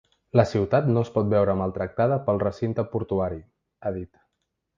“La ciutat no es pot veure maltractada pel recinte portuari”, ha dit.